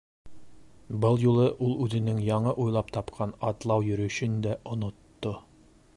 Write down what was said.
Был юлы ул үҙенең яңы уйлап тапҡан атлау-йөрөшөн дә онотто.